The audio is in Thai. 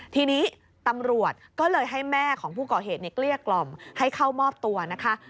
ทีนี้ตำรวจก็เลยให้แม่ของผู้ก่อเหตุในเกลี้ยกล่อมให้เข้ามอบตัวนะคะ